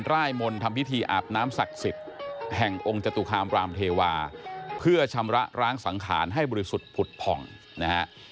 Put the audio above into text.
่ายมนต์ทำพิธีอาบน้ำศักดิ์สิทธิ์แห่งองค์จตุคามรามเทวาเพื่อชำระร้างสังขารให้บริสุทธิ์ผุดผ่องนะฮะ